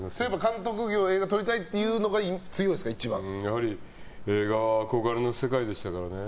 監督業映画撮りたいというのがやはり、映画は憧れの世界でしたからね。